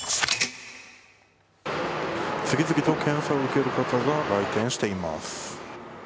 次々と検査を受ける方が来店しています。